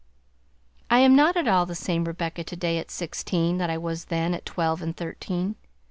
I am not at all the same Rebecca today at sixteen that I was then, at twelve and thirteen.